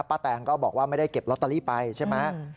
แตงก็บอกว่าไม่ได้เก็บลอตเตอรี่ไปใช่ไหม